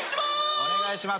お願いします。